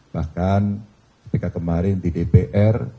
bahkan ketika kemarin di dpr